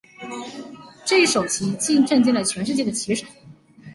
这一手棋震惊了全世界的棋手。